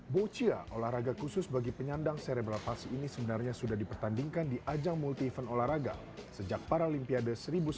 bolchia olahraga khusus bagi penyandang serebrapasi ini sebenarnya sudah dipertandingkan di ajang multi event olahraga sejak paralimpiade seribu sembilan ratus delapan puluh empat